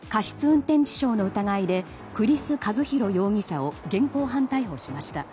運転致傷の疑いで栗栖一弘容疑者を現行犯逮捕しました。